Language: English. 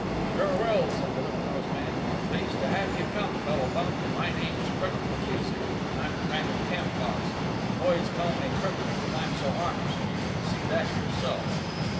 "Sure will," said the hook nosed man. "Pleased to have you come, fellow bum. My name's Crook McKusick. I'm kind of camp boss. The boys call me 'Crook' because I'm so honest. You can see that yourself."